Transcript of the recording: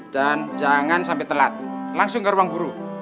dan jangan sampai telat langsung ke ruang guru